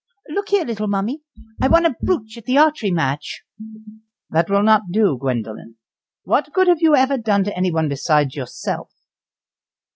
"Look here, little mummy. I won a brooch at the archery match." "That will not do, Gwendoline. What good have you ever done to anyone else beside yourself?"